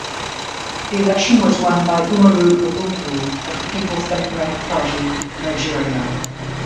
The election was won by Umaru Argungu of the Peoples Democratic Party (Nigeria).